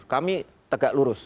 kami tegak lurus